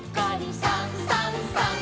「さんさんさん」